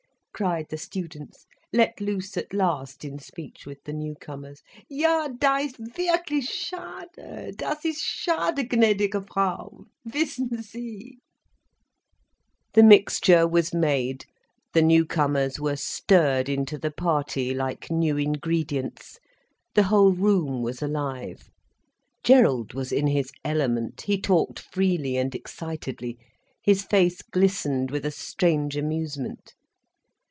cried the Students, let loose at last in speech with the newcomers. "Ja, das ist wirklich schade, das ist schade, gnädige Frau. Wissen Sie—" The mixture was made, the newcomers were stirred into the party, like new ingredients, the whole room was alive. Gerald was in his element, he talked freely and excitedly, his face glistened with a strange amusement.